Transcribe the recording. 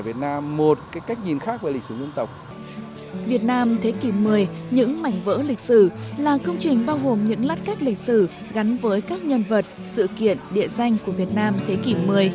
việt nam thế kỷ x những mảnh vỡ lịch sử là công trình bao gồm những lát cách lịch sử gắn với các nhân vật sự kiện địa danh của việt nam thế kỷ x